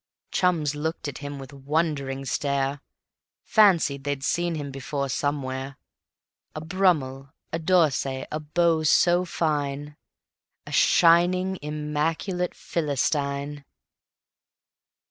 Chums looked at him with wondering stare, Fancied they'd seen him before somewhere; A Brummell, a D'Orsay, a beau so fine, A shining, immaculate Philistine.